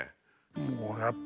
もう「やった！